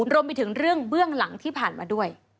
รวมไปถึงเรื่องเบื้องหลังที่ผ่านมาด้วย